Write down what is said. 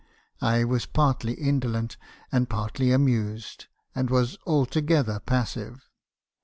I was partly indolent, and partly amused, and was altogether passive.